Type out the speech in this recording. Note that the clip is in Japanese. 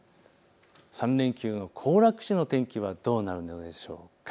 ３連休の行楽地の天気はどうなるのでしょうか。